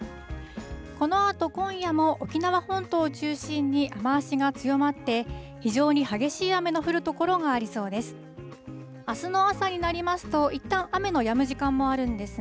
このあと、今夜も沖縄本島を中心に雨足が強まって、非常に激しい雨の降る所がありそうです。